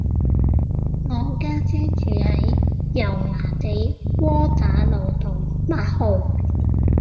我家姐住喺油麻地窩打老道八號